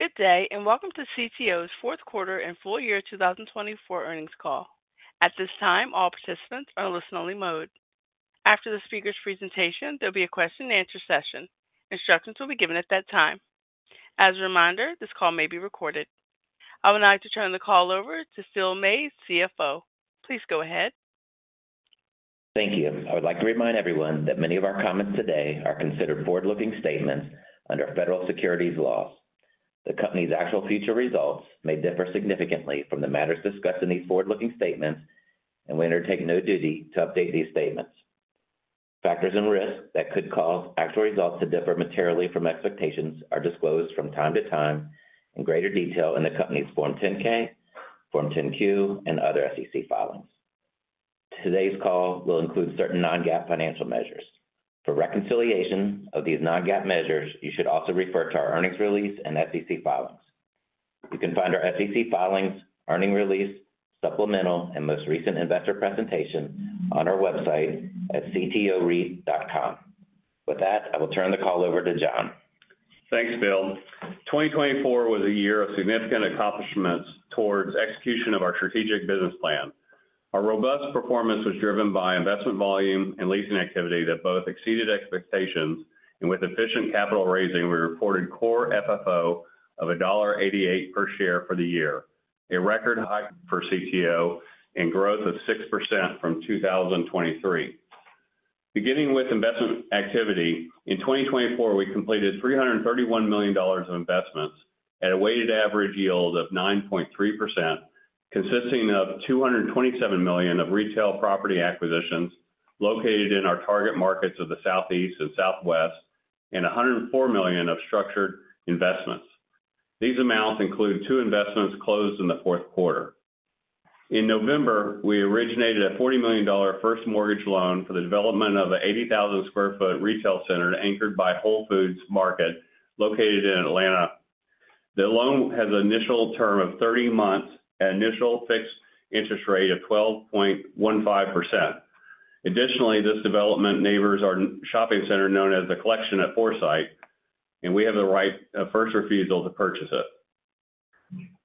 Good day, and welcome to CTO Realty Growth Fourth Quarter and Fiscal Year 2024 Earnings Call. At this time, all participants are in listen-only mode. After the speaker's presentation, there'll be a question-and-answer session. Instructions will be given at that time. As a reminder, this call may be recorded. I would now like to turn the call over to Phil Mays, CFO. Please go ahead. Thank you. I would like to remind everyone that many of our comments today are considered forward-looking statements under federal securities laws. The company's actual future results may differ significantly from the matters discussed in these forward-looking statements, and we undertake no duty to update these statements. Factors and risks that could cause actual results to differ materially from expectations are disclosed from time to time in greater detail in the company's Form 10-K, Form 10-Q, and other SEC filings. Today's call will include certain non-GAAP financial measures. For reconciliation of these non-GAAP measures, you should also refer to our earnings release and SEC filings. You can find our SEC filings, earnings release, supplemental, and most recent investor presentation on our website at ctoreit.com. With that, I will turn the call over to John. Thanks, Phil. 2024 was a year of significant accomplishments towards execution of our strategic business plan. Our robust performance was driven by investment volume and leasing activity that both exceeded expectations, and with efficient capital raising, we reported Core FFO of $1.88 per share for the year, a record high for CTO, and growth of 6% from 2023. Beginning with investment activity, in 2024, we completed $331 million of investments at a weighted average yield of 9.3%, consisting of $227 million of retail property acquisitions located in our target markets of the Southeast and Southwest, and $104 million of structured investments. These amounts include two investments closed in the fourth quarter. In November, we originated a $40 million first mortgage loan for the development of an 80,000-sq-ft retail center anchored by Whole Foods Market located in Atlanta. The loan has an initial term of 30 months and an initial fixed interest rate of 12.15%. Additionally, this development neighbors our shopping center known as The Collection at Forsyth, and we have the right of first refusal to purchase it.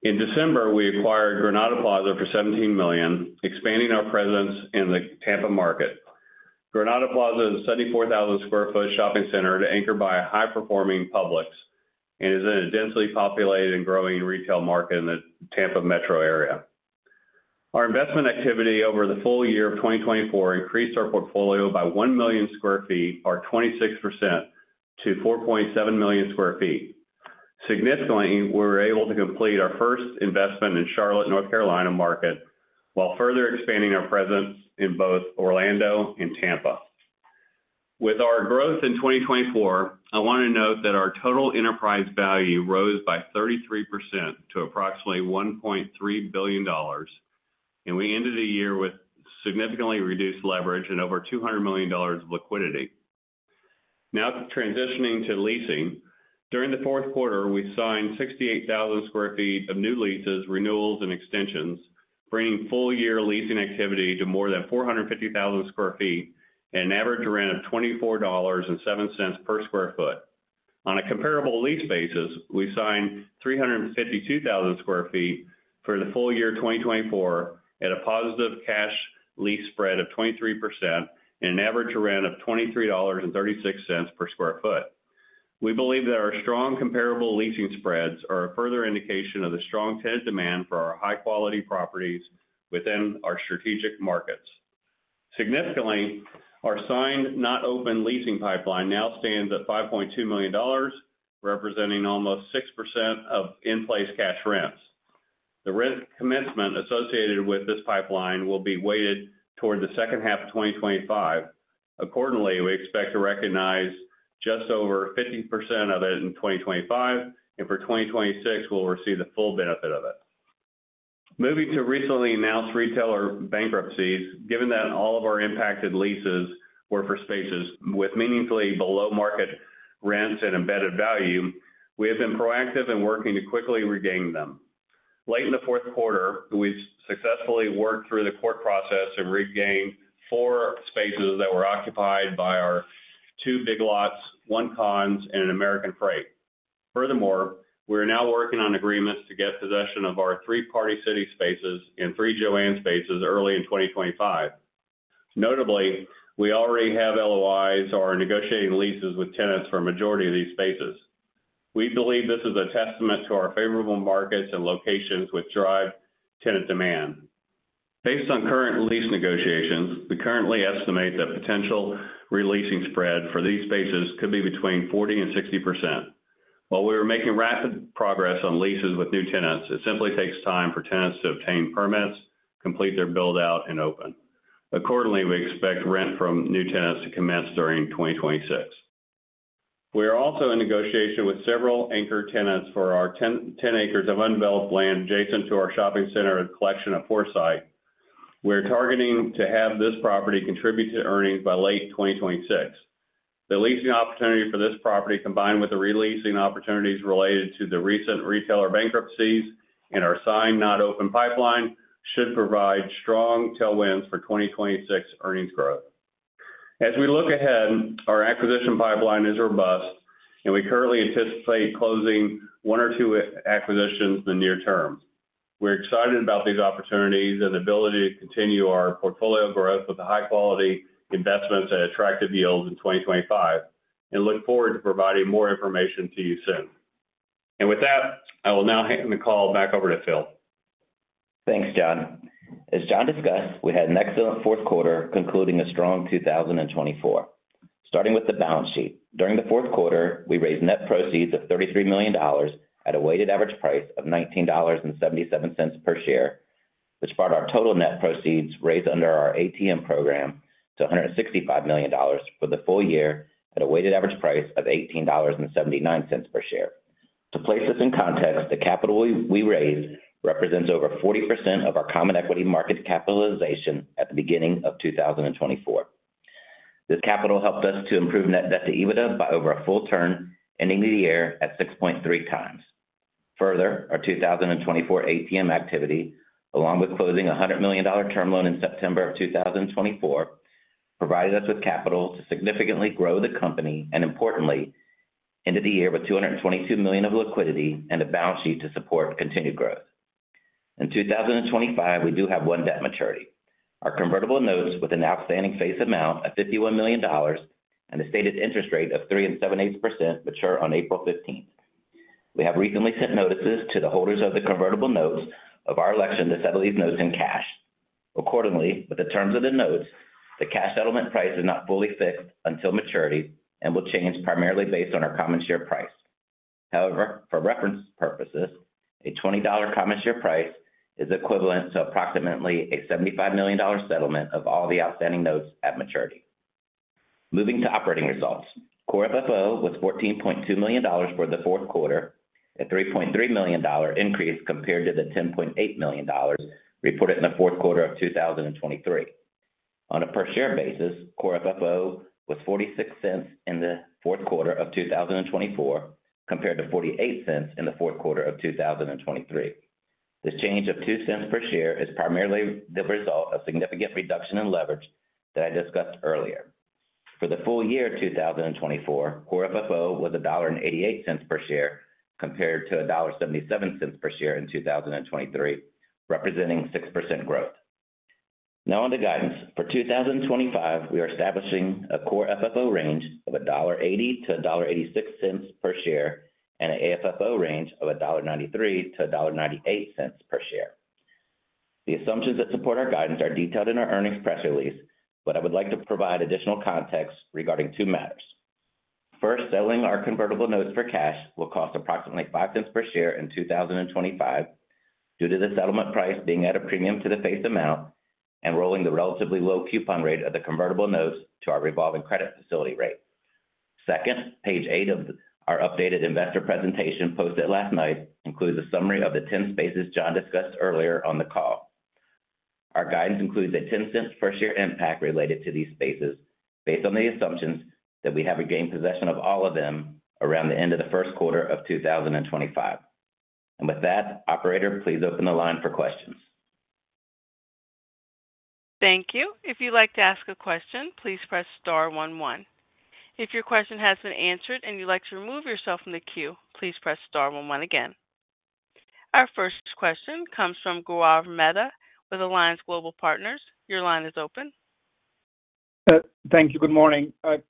In December, we acquired Granada Plaza for $17 million, expanding our presence in the Tampa market. Granada Plaza is a 74,000 sq ft shopping center anchored by high-performing Publix and is in a densely populated and growing retail market in the Tampa metro area. Our investment activity over the full year of 2024 increased our portfolio by 1 million sq ft, or 26%, to 4.7 million square feet. Significantly, we were able to complete our first investment in Charlotte, North Carolina market while further expanding our presence in both Orlando and Tampa. With our growth in 2024, I want to note that our total enterprise value rose by 33% to approximately $1.3 billion, and we ended the year with significantly reduced leverage and over $200 million of liquidity. Now, transitioning to leasing, during the fourth quarter, we signed 68,000 sq ft of new leases, renewals, and extensions, bringing full-year leasing activity to more than 450,000 sq ft at an average rent of $24.07 per sq ft. On a comparable lease basis, we signed 352,000 sq ft for the full year 2024 at a positive cash lease spread of 23% and an average rent of $23.36 per sq ft. We believe that our strong comparable leasing spreads are a further indication of the strong tenant demand for our high-quality properties within our strategic markets. Significantly, our signed not-open leasing pipeline now stands at $5.2 million, representing almost 6% of in-place cash rents. The rent commencement associated with this pipeline will be weighted toward the second half of 2025. Accordingly, we expect to recognize just over 50% of it in 2025, and for 2026, we'll receive the full benefit of it. Moving to recently announced retailer bankruptcies, given that all of our impacted leases were for spaces with meaningfully below-market rents and embedded value, we have been proactive in working to quickly regain them. Late in the fourth quarter, we successfully worked through the court process and regained four spaces that were occupied by our two Big Lots, one Conn's, and an American Freight. Furthermore, we are now working on agreements to get possession of our three Party City spaces and three Joann's spaces early in 2025. Notably, we already have LOIs or are negotiating leases with tenants for a majority of these spaces. We believe this is a testament to our favorable markets and locations which drive tenant demand. Based on current lease negotiations, we currently estimate that potential releasing spread for these spaces could be between 40% and 60%. While we are making rapid progress on leases with new tenants, it simply takes time for tenants to obtain permits, complete their build-out, and open. Accordingly, we expect rent from new tenants to commence during 2026. We are also in negotiation with several anchor tenants for our 10 acres of undeveloped land adjacent to our shopping center at Collection at Forsyth. We are targeting to have this property contribute to earnings by late 2026. The leasing opportunity for this property, combined with the releasing opportunities related to the recent retailer bankruptcies and our signed not-open pipeline, should provide strong tailwinds for 2026 earnings growth. As we look ahead, our acquisition pipeline is robust, and we currently anticipate closing one or two acquisitions in the near term. We're excited about these opportunities and the ability to continue our portfolio growth with the high-quality investments that attractive yields in 2025, and look forward to providing more information to you soon, and with that, I will now hand the call back over to Phil. Thanks, John. As John discussed, we had an excellent fourth quarter concluding a strong 2024. Starting with the balance sheet, during the fourth quarter, we raised net proceeds of $33 million at a weighted average price of $19.77 per share, which brought our total net proceeds raised under our ATM program to $165 million for the full year at a weighted average price of $18.79 per share. To place this in context, the capital we raised represents over 40% of our common equity market capitalization at the beginning of 2024. This capital helped us to improve net debt to EBITDA by over a full turn, ending the year at 6.3 times. Further, our 2024 ATM activity, along with closing a $100 million term loan in September of 2024, provided us with capital to significantly grow the company and, importantly, ended the year with $222 million of liquidity and a balance sheet to support continued growth. In 2025, we do have one debt maturity. Our convertible notes, with an outstanding face amount of $51 million and a stated interest rate of 3.78%, mature on April 15th. We have recently sent notices to the holders of the convertible notes of our election to settle these notes in cash. Accordingly, with the terms of the notes, the cash settlement price is not fully fixed until maturity and will change primarily based on our common share price. However, for reference purposes, a $20 common share price is equivalent to approximately a $75 million settlement of all the outstanding notes at maturity. Moving to operating results, Core FFO was $14.2 million for the fourth quarter, a $3.3 million increase compared to the $10.8 million reported in the fourth quarter of 2023. On a per-share basis, Core FFO was $0.46 in the fourth quarter of 2024 compared to $0.48 in the fourth quarter of 2023. This change of $0.02 per share is primarily the result of significant reduction in leverage that I discussed earlier. For the full year 2024, Core FFO was $1.88 per share compared to $1.77 per share in 2023, representing 6% growth. Now, on to guidance. For 2025, we are establishing a Core FFO range of $1.80-$1.86 per share and an AFFO range of $1.93-$1.98 per share. The assumptions that support our guidance are detailed in our earnings press release, but I would like to provide additional context regarding two matters. First, selling our convertible notes for cash will cost approximately $0.05 per share in 2025 due to the settlement price being an added premium to the face amount and rolling the relatively low coupon rate of the convertible notes to our revolving credit facility rate. Second, page eight of our updated investor presentation posted last night includes a summary of the 10 spaces John discussed earlier on the call. Our guidance includes a $0.10 per share impact related to these spaces based on the assumptions that we have regained possession of all of them around the end of the first quarter of 2025. And with that, Operator, please open the line for questions. Thank you. If you'd like to ask a question, please press star 11. If your question has been answered and you'd like to remove yourself from the queue, please press star 11 again. Our first question comes from Gaurav Mehta with Alliance Global Partners. Your line is open. Thank you. Good morning. I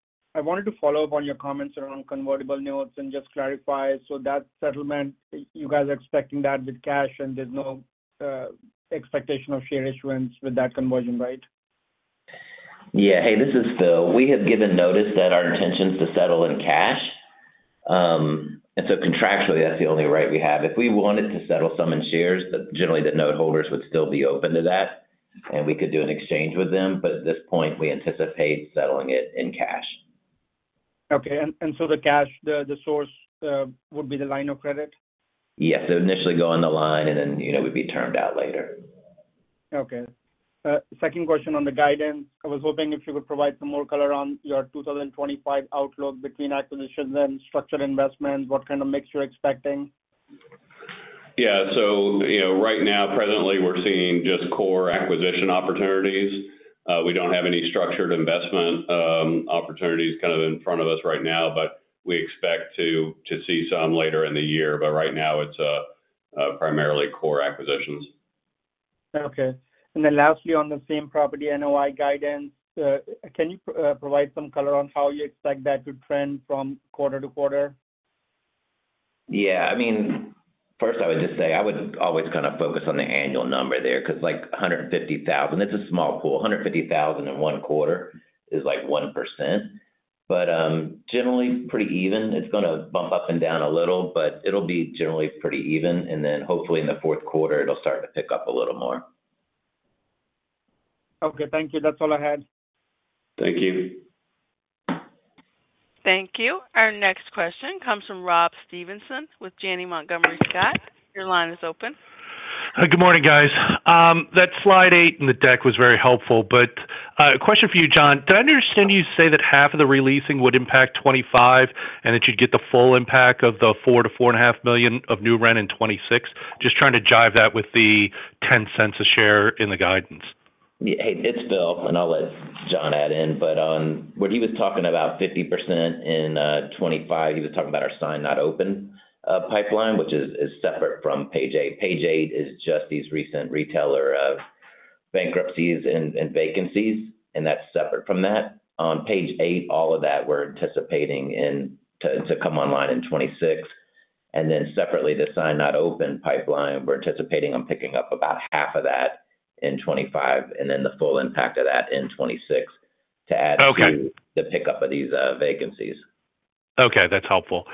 wanted to follow up on your comments around convertible notes and just clarify, so that settlement, you guys are expecting that with cash, and there's no expectation of share issuance with that conversion, right? Yeah. Hey, this is Phil. We have given notice that our intention is to settle in cash. And so contractually, that's the only right we have. If we wanted to settle some in shares, generally, the noteholders would still be open to that, and we could do an exchange with them. But at this point, we anticipate settling it in cash. Okay, and so the cash, the source would be the line of credit? Yes. It would initially go on the line, and then we'd be termed out later. Okay. Second question on the guidance. I was hoping if you could provide some more color on your 2025 outlook between acquisitions and structured investments, what kind of mix you're expecting? Yeah. So right now, presently, we're seeing just core acquisition opportunities. We don't have any structured investment opportunities kind of in front of us right now, but we expect to see some later in the year. But right now, it's primarily core acquisitions. Okay, and then lastly, on the Same-Store NOI guidance, can you provide some color on how you expect that to trend from quarter to quarter? Yeah. I mean, first, I would just say I would always kind of focus on the annual number there because like $150,000, it's a small pool. $150,000 in one quarter is like 1%. But generally, pretty even. It's going to bump up and down a little, but it'll be generally pretty even. And then hopefully, in the fourth quarter, it'll start to pick up a little more. Okay. Thank you. That's all I had. Thank you. Thank you. Our next question comes from Rob Stevenson with Janney Montgomery Scott. Your line is open. Good morning, guys. That slide eight in the deck was very helpful, but a question for you, John. Did I understand you say that half of the releasing would impact 2025 and that you'd get the full impact of the $4-$4.5 million of new rent in 2026? Just trying to jive that with the $0.10 a share in the guidance. Hey, it's Phil, and I'll let John add in. But on what he was talking about, 50% in 2025, he was talking about our signed not open pipeline, which is separate from page eight. Page eight is just these recent retailer bankruptcies and vacancies, and that's separate from that. On page eight, all of that we're anticipating to come online in 2026. And then separately, the signed not open pipeline, we're anticipating on picking up about half of that in 2025 and then the full impact of that in 2026 to add to the pickup of these vacancies. Okay. That's helpful.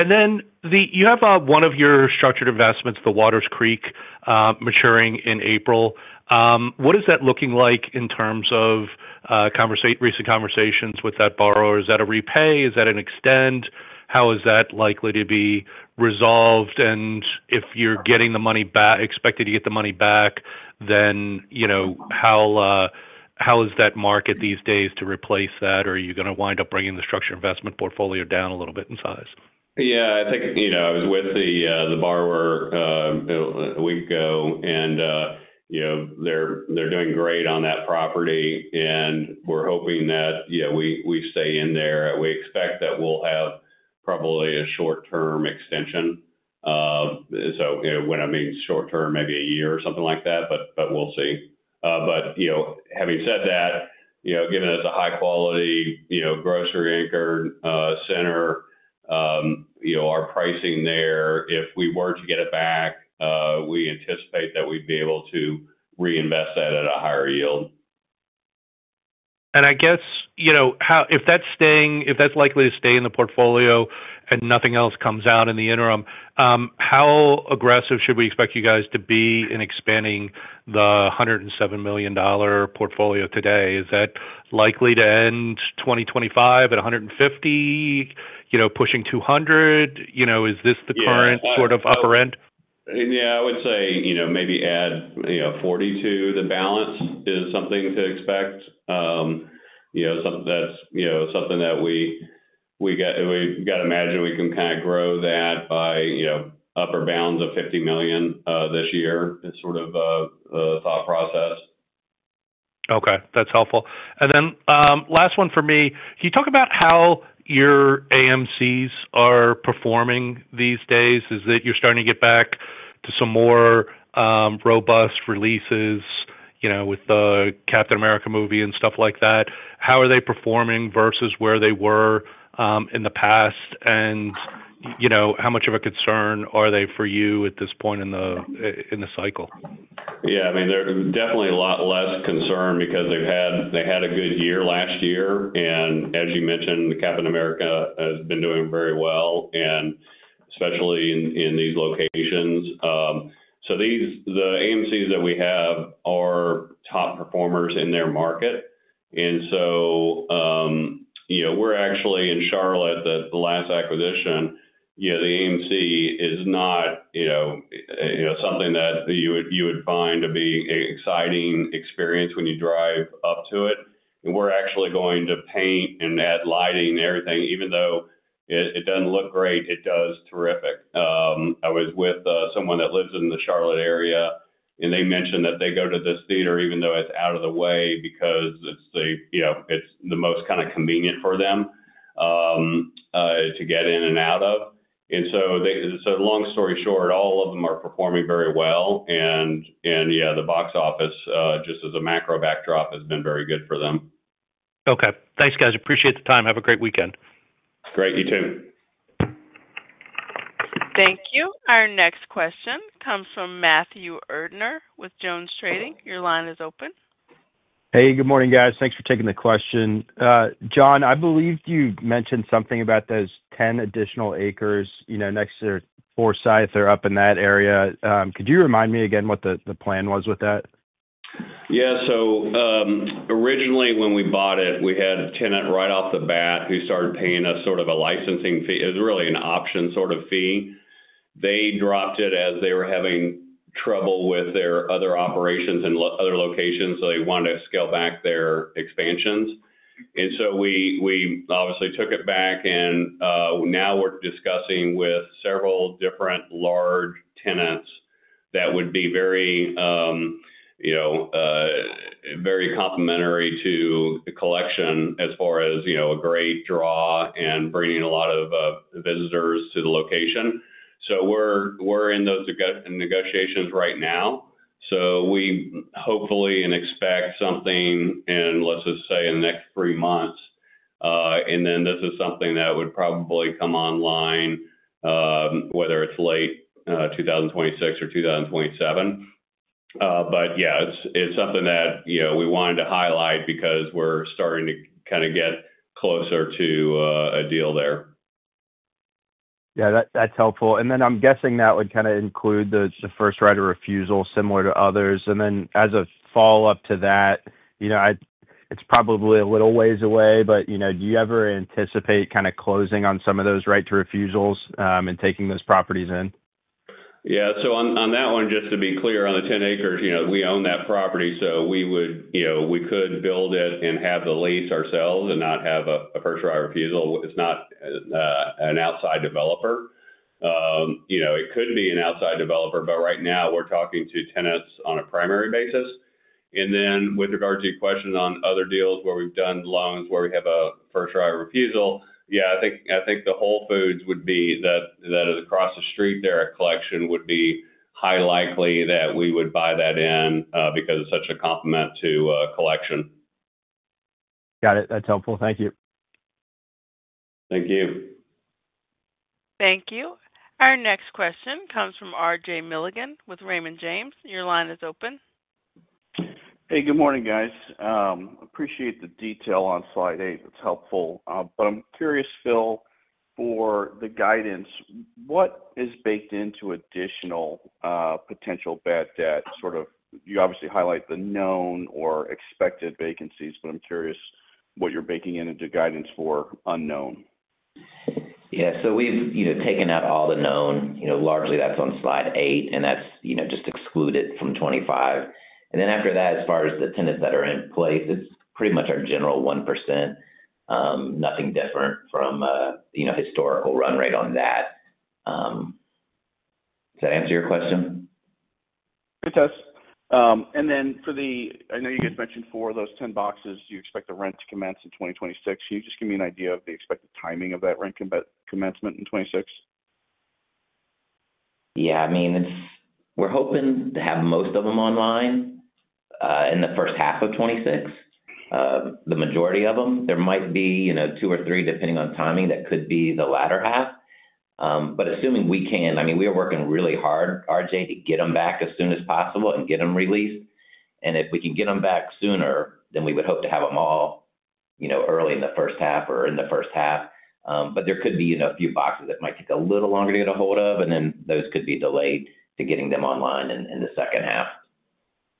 And then you have one of your structured investments, the Watters Creek, maturing in April. What is that looking like in terms of recent conversations with that borrower? Is that a repay? Is that an extend? How is that likely to be resolved? And if you're getting the money back, expected to get the money back, then how is that market these days to replace that? Or are you going to wind up bringing the structured investment portfolio down a little bit in size? Yeah. I think I was with the borrower a week ago, and they're doing great on that property. And we're hoping that we stay in there. We expect that we'll have probably a short-term extension. So when I mean short-term, maybe a year or something like that, but we'll see. But having said that, given it's a high-quality grocery anchor center, our pricing there, if we were to get it back, we anticipate that we'd be able to reinvest that at a higher yield. I guess if that's likely to stay in the portfolio and nothing else comes out in the interim, how aggressive should we expect you guys to be in expanding the $107 million portfolio today? Is that likely to end 2025 at $150, pushing $200? Is this the current sort of upper end? Yeah. I would say maybe add $40 to the balance is something to expect. That's something that we got to imagine we can kind of grow that by upper bounds of $50 million this year is sort of the thought process. Okay. That's helpful. And then last one for me, can you talk about how your AMCs are performing these days? Is it you're starting to get back to some more robust releases with the Captain America movie and stuff like that? How are they performing versus where they were in the past? And how much of a concern are they for you at this point in the cycle? Yeah. I mean, they're definitely a lot less concerned because they had a good year last year, and as you mentioned, Captain America has been doing very well, and especially in these locations, so the AMCs that we have are top performers in their market, and so we're actually in Charlotte that the last acquisition, the AMC is not something that you would find to be an exciting experience when you drive up to it, and we're actually going to paint and add lighting and everything. Even though it doesn't look great, it does terrific. I was with someone that lives in the Charlotte area, and they mentioned that they go to this theater even though it's out of the way because it's the most kind of convenient for them to get in and out of, and so long story short, all of them are performing very well. Yeah, the box office, just as a macro backdrop, has been very good for them. Okay. Thanks, guys. Appreciate the time. Have a great weekend. Great. You too. Thank you. Our next question comes from Matthew Erdner with JonesTrading. Your line is open. Hey, good morning, guys. Thanks for taking the question. John, I believe you mentioned something about those 10 additional acres next to Forsyth or up in that area. Could you remind me again what the plan was with that? Yeah. So originally, when we bought it, we had a tenant right off the bat who started paying us sort of a licensing fee. It was really an option sort of fee. They dropped it as they were having trouble with their other operations in other locations, so they wanted to scale back their expansions. And so we obviously took it back, and now we're discussing with several different large tenants that would be very complementary to the collection as far as a great draw and bringing a lot of visitors to the location. So we're in those negotiations right now. So we hopefully expect something in, let's just say, in the next three months. And then this is something that would probably come online, whether it's late 2026 or 2027. But yeah, it's something that we wanted to highlight because we're starting to kind of get closer to a deal there. Yeah. That's helpful. And then I'm guessing that would kind of include the first right of refusal similar to others. And then as a follow-up to that, it's probably a little ways away, but do you ever anticipate kind of closing on some of those right to refusals and taking those properties in? Yeah. So on that one, just to be clear, on the 10 acres, we own that property, so we could build it and have the lease ourselves and not have a first right of refusal. It's not an outside developer. It could be an outside developer, but right now, we're talking to tenants on a primary basis. And then with regard to your question on other deals where we've done loans where we have a first right of refusal, yeah, I think the Whole Foods would be that across the street there at Collection would be highly likely that we would buy that in because it's such a complement to Collection. Got it. That's helpful. Thank you. Thank you. Thank you. Our next question comes from RJ Milligan with Raymond James. Your line is open. Hey, good morning, guys. Appreciate the detail on slide eight. It's helpful. But I'm curious, Phil, for the guidance, what is baked into additional potential bad debt? Sort of you obviously highlight the known or expected vacancies, but I'm curious what you're baking into guidance for unknown? Yeah. So we've taken out all the known. Largely, that's on slide eight, and that's just excluded from 2025. And then after that, as far as the tenants that are in place, it's pretty much our general 1%, nothing different from historical run rate on that. Does that answer your question? It does. And then, I know you guys mentioned for those 10 boxes, you expect the rent to commence in 2026. Can you just give me an idea of the expected timing of that rent commencement in 2026? Yeah. I mean, we're hoping to have most of them online in the first half of 2026, the majority of them. There might be two or three, depending on timing, that could be the latter half, but assuming we can, I mean, we are working really hard, RJ, to get them back as soon as possible and get them released, and if we can get them back sooner, then we would hope to have them all early in the first half or in the first half, but there could be a few boxes that might take a little longer to get a hold of, and then those could be delayed to getting them online in the second half,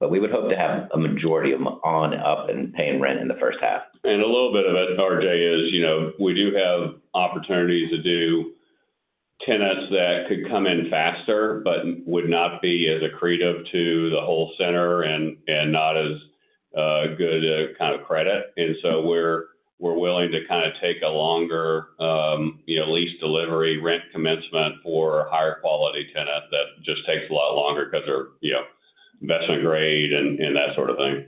but we would hope to have a majority of them on, up, and paying rent in the first half. And a little bit of it, RJ, is we do have opportunities to do tenants that could come in faster but would not be as accretive to the whole center and not as good a kind of credit. And so we're willing to kind of take a longer lease delivery rent commencement for a higher quality tenant that just takes a lot longer because they're investment grade and that sort of thing.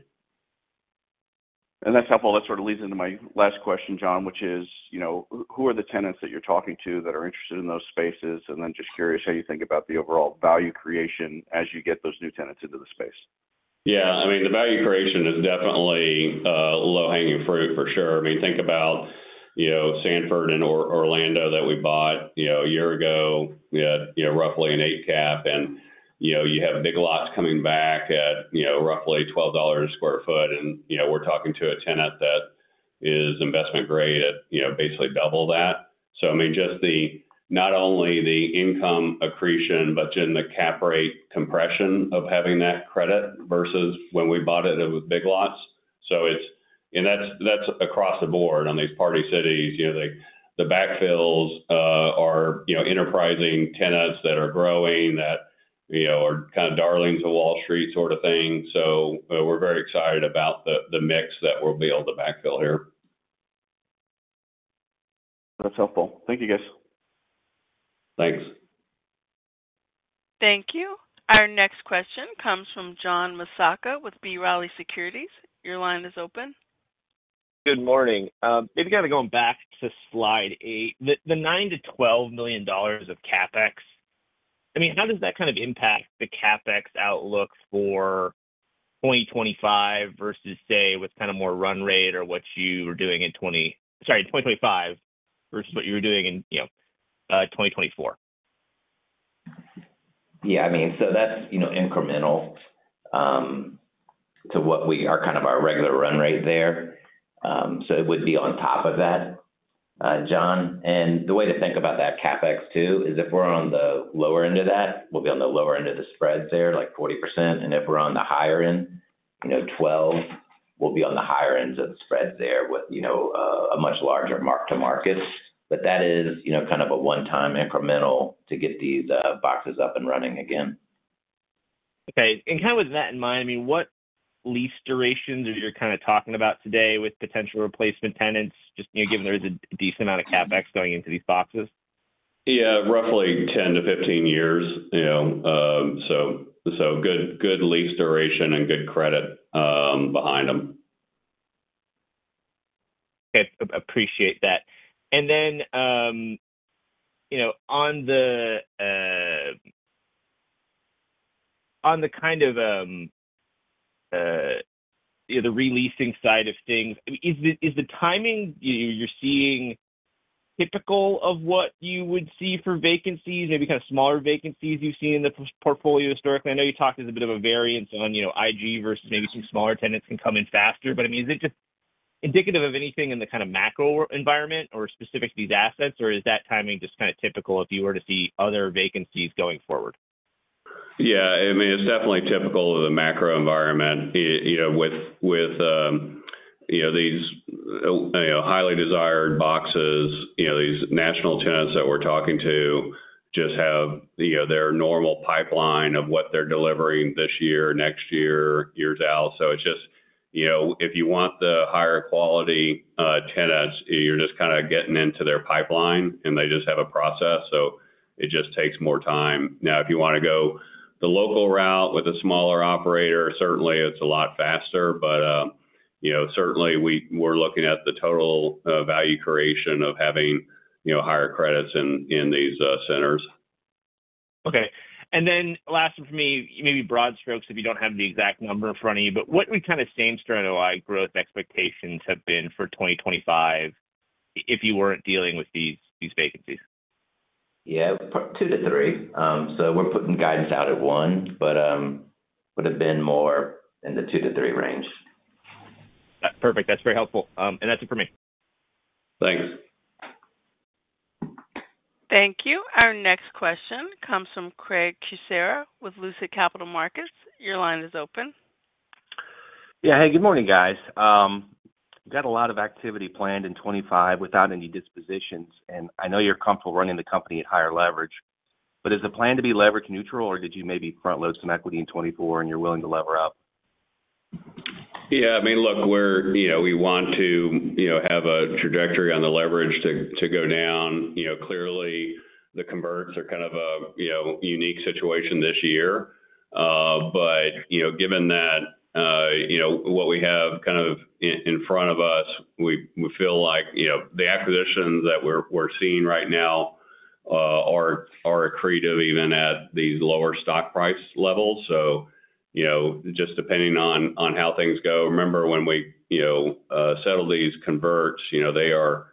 And that's helpful. That sort of leads into my last question, John, which is who are the tenants that you're talking to that are interested in those spaces? And then just curious how you think about the overall value creation as you get those new tenants into the space? Yeah. I mean, the value creation is definitely low-hanging fruit for sure. I mean, think about Sanford and Orlando that we bought a year ago, roughly an eight-cap. And you have Big Lots coming back at roughly $12 a sq ft. And we're talking to a tenant that is investment grade at basically double that. So I mean, just not only the income accretion, but then the cap rate compression of having that credit versus when we bought it with Big Lots. And that's across the board on these Party Cities. The backfills are enterprising tenants that are growing that are kind of darlings of Wall Street sort of thing. So we're very excited about the mix that we'll be able to backfill here. That's helpful. Thank you, guys. Thanks. Thank you. Our next question comes from John Massocca with B. Riley Securities. Your line is open. Good morning. Maybe kind of going back to slide eight, the $9-$12 million of CapEx. I mean, how does that kind of impact the CapEx outlook for 2025 versus, say, with kind of more run rate or what you were doing in 20 sorry, 2025 versus what you were doing in 2024? Yeah. I mean, so that's incremental to what we are kind of our regular run rate there. So it would be on top of that, John. And the way to think about that CapEx too is if we're on the lower end of that, we'll be on the lower end of the spread there, like 40%. And if we're on the higher end, 12, we'll be on the higher ends of the spread there with a much larger mark-to-market. But that is kind of a one-time incremental to get these boxes up and running again. Okay, and kind of with that in mind, I mean, what lease durations are you kind of talking about today with potential replacement tenants, just given there is a decent amount of CapEx going into these boxes? Yeah. Roughly 10-15 years. So good lease duration and good credit behind them. Okay. Appreciate that. And then on the kind of the releasing side of things, is the timing you're seeing typical of what you would see for vacancies, maybe kind of smaller vacancies you've seen in the portfolio historically? I know you talked, there's a bit of a variance on big versus maybe some smaller tenants can come in faster. But I mean, is it just indicative of anything in the kind of macro environment or specific to these assets, or is that timing just kind of typical if you were to see other vacancies going forward? Yeah. I mean, it's definitely typical of the macro environment with these highly desired boxes. These national tenants that we're talking to just have their normal pipeline of what they're delivering this year, next year, years out. So it's just if you want the higher quality tenants, you're just kind of getting into their pipeline, and they just have a process. So it just takes more time. Now, if you want to go the local route with a smaller operator, certainly it's a lot faster. But certainly, we're looking at the total value creation of having higher credits in these centers. Okay. And then last one for me, maybe broad strokes if you don't have the exact number in front of you, but what would kind of same-store growth expectations have been for 2025 if you weren't dealing with these vacancies? Yeah. Two to three. So we're putting guidance out at one, but it would have been more in the two to three range. Perfect. That's very helpful. And that's it for me. Thanks. Thank you. Our next question comes from Craig Kucera with Lucid Capital Markets. Your line is open. Yeah. Hey, good morning, guys. We've got a lot of activity planned in 2025 without any dispositions. And I know you're comfortable running the company at higher leverage. But is the plan to be leverage neutral, or did you maybe front-load some equity in 2024 and you're willing to lever up? Yeah. I mean, look, we want to have a trajectory on the leverage to go down. Clearly, the converts are kind of a unique situation this year, but given that what we have kind of in front of us, we feel like the acquisitions that we're seeing right now are accretive even at these lower stock price levels, so just depending on how things go. Remember, when we settle these converts, they are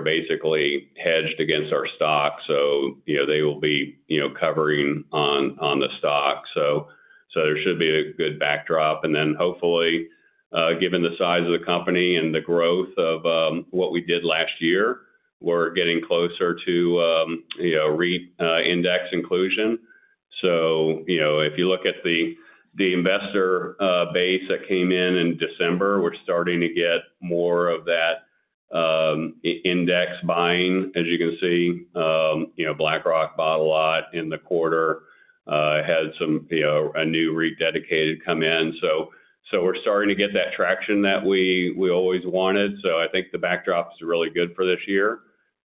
basically hedged against our stock, so they will be covering on the stock, so there should be a good backdrop, and then hopefully, given the size of the company and the growth of what we did last year, we're getting closer to REIT index inclusion, so if you look at the investor base that came in in December, we're starting to get more of that index buying, as you can see. BlackRock bought a lot in the quarter, had a new REIT dedicated come in, so we're starting to get that traction that we always wanted, so I think the backdrop is really good for this year,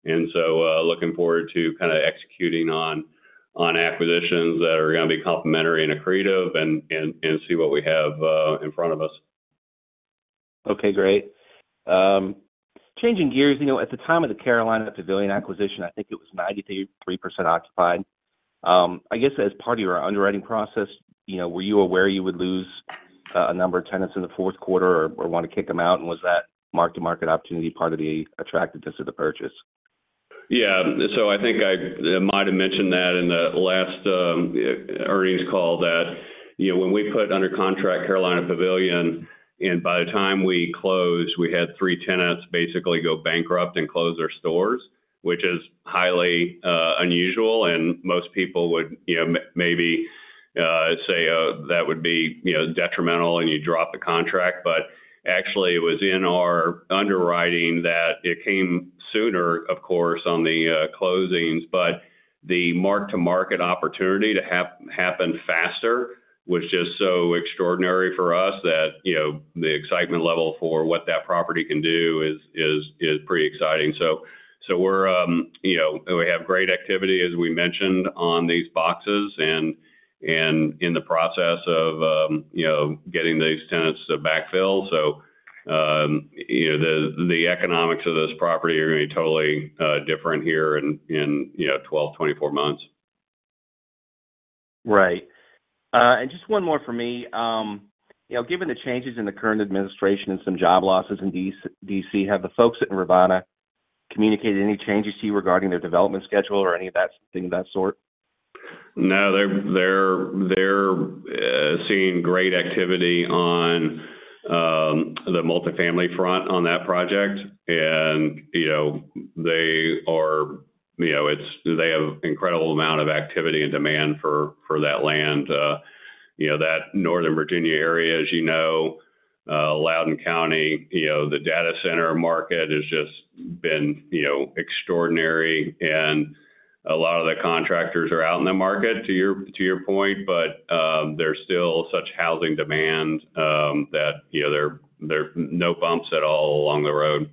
and so looking forward to kind of executing on acquisitions that are going to be complementary and accretive and see what we have in front of us. Okay. Great. Changing gears, at the time of the Carolina Pavilion acquisition, I think it was 93% occupied. I guess as part of your underwriting process, were you aware you would lose a number of tenants in the fourth quarter or want to kick them out? And was that mark-to-market opportunity part of the attractiveness of the purchase? Yeah, so I think I might have mentioned that in the last earnings call that when we put under contract Carolina Pavilion, and by the time we closed, we had three tenants basically go bankrupt and close their stores, which is highly unusual, and most people would maybe say that would be detrimental and you drop the contract, but actually, it was in our underwriting that it came sooner, of course, on the closings, but the mark-to-market opportunity to happen faster was just so extraordinary for us that the excitement level for what that property can do is pretty exciting, so we have great activity, as we mentioned, on these boxes and in the process of getting these tenants to backfill, so the economics of this property are going to be totally different here in 12-24 months. Right. And just one more for me. Given the changes in the current administration and some job losses in DC, have the folks at NVR communicated any changes to you regarding their development schedule or any of that sort? No, they're seeing great activity on the multifamily front on that project. And they have an incredible amount of activity and demand for that land. That Northern Virginia area, as you know, Loudoun County, the data center market has just been extraordinary. And a lot of the contractors are out in the market, to your point, but there's still such housing demand that there are no bumps at all along the road.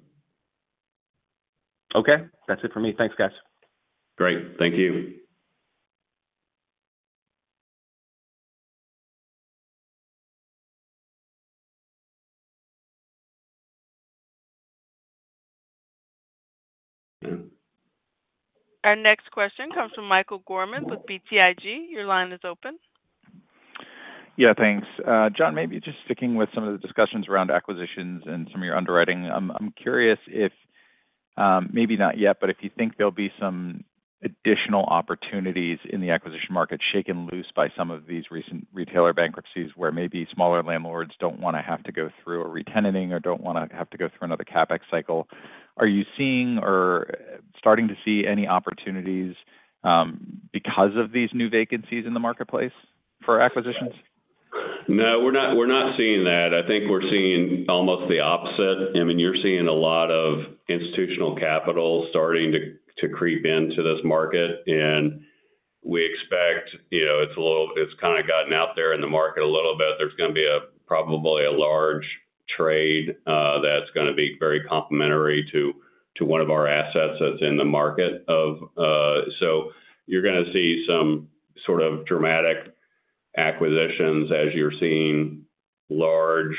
Okay. That's it for me. Thanks, guys. Great. Thank you. Our next question comes from Michael Gorman with BTIG. Your line is open. Yeah. Thanks. John, maybe just sticking with some of the discussions around acquisitions and some of your underwriting. I'm curious if maybe not yet, but if you think there'll be some additional opportunities in the acquisition market shaken loose by some of these recent retailer bankruptcies where maybe smaller landlords don't want to have to go through a retenanting or don't want to have to go through another CapEx cycle. Are you seeing or starting to see any opportunities because of these new vacancies in the marketplace for acquisitions? No. We're not seeing that. I think we're seeing almost the opposite. I mean, you're seeing a lot of institutional capital starting to creep into this market. And we expect it's kind of gotten out there in the market a little bit. There's going to be probably a large trade that's going to be very complementary to one of our assets that's in the market. So you're going to see some sort of dramatic acquisitions as you're seeing large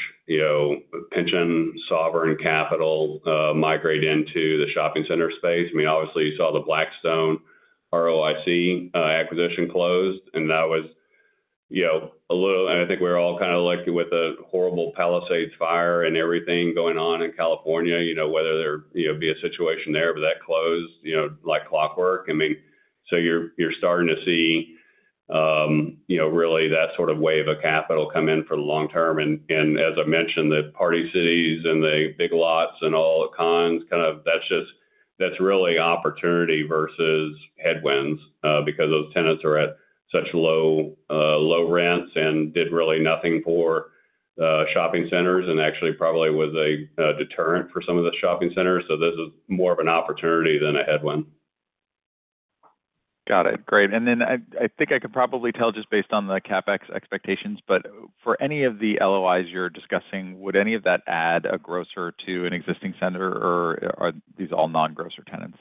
pension sovereign capital migrate into the shopping center space. I mean, obviously, you saw the Blackstone ROIC acquisition closed. And that was a little and I think we were all kind of lucky with the horrible Palisades fire and everything going on in California, whether there'd be a situation there, but that closed like clockwork. I mean, so you're starting to see really that sort of wave of capital come in for the long term. And as I mentioned, the Party City and the Big Lots and all the Conn's, kind of that's really opportunity versus headwinds because those tenants are at such low rents and did really nothing for shopping centers and actually probably was a deterrent for some of the shopping centers. So this is more of an opportunity than a headwind. Got it. Great. And then I think I could probably tell just based on the CapEx expectations, but for any of the LOIs you're discussing, would any of that add a grocer to an existing center, or are these all non-grocer tenants?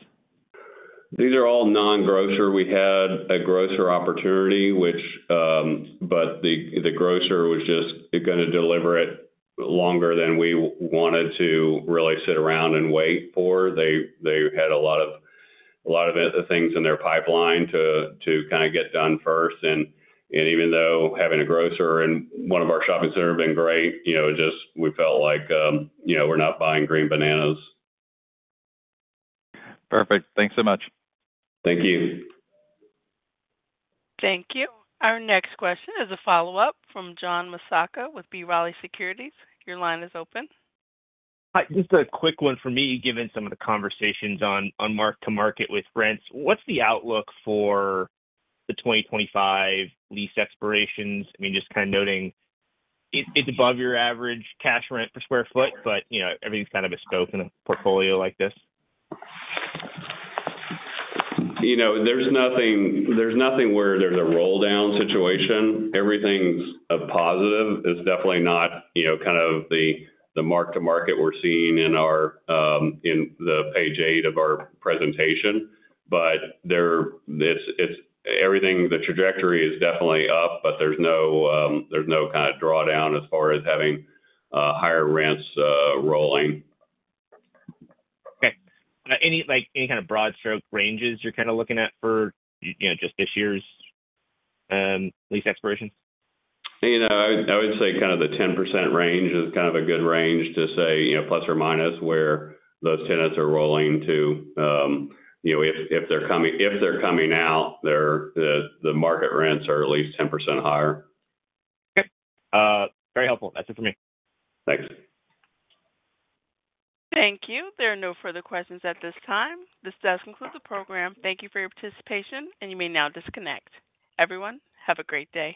These are all non-grocer. We had a grocer opportunity, but the grocer was just going to deliver it longer than we wanted to really sit around and wait for. They had a lot of things in their pipeline to kind of get done first. And even though having a grocer in one of our shopping centers has been great, we felt like we're not buying green bananas. Perfect. Thanks so much. Thank you. Thank you. Our next question is a follow-up from John Massocca with B. Riley Securities. Your line is open. Just a quick one for me, given some of the conversations on mark-to-market with rents. What's the outlook for the 2025 lease expirations? I mean, just kind of noting it's above your average cash rent per square foot, but everything's kind of bespoke in a portfolio like this. There's nothing where there's a roll-down situation. Everything's a positive. It's definitely not kind of the mark-to-market we're seeing in the page eight of our presentation. But everything, the trajectory is definitely up, but there's no kind of drawdown as far as having higher rents rolling. Okay. Any kind of broad stroke ranges you're kind of looking at for just this year's lease expirations? I would say kind of the 10% range is kind of a good range to say plus or minus where those tenants are rolling to. If they're coming out, the market rents are at least 10% higher. Okay. Very helpful. That's it for me. Thanks. Thank you. There are no further questions at this time. This does conclude the program. Thank you for your participation, and you may now disconnect. Everyone, have a great day.